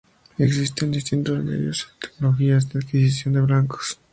Existen distintos medios y tecnologías de adquisición de blancos.